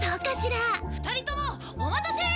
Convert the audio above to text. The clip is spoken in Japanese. ２人ともお待たせ！